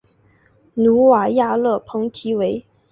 努瓦亚勒蓬提维。